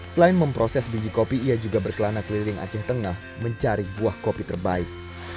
selain memproses biji kopi ia juga berkelana keliling aceh tengah mencari buah kopi terbaik